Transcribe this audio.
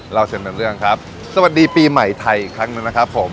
เล่าเส้นเป็นเรื่องครับสวัสดีปีใหม่ไทยอีกครั้งหนึ่งนะครับผม